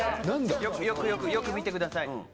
よくよくよくよく見てください